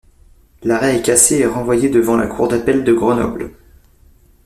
L'arrêt est cassé et renvoyé devant la cour d'appel de Grenoble.